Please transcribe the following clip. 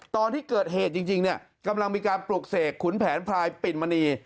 ตอนที่เกิดเหตุจริงเนี่ยกำลังมีการปลุกเสกขุนแผนพรายปิ่นมณี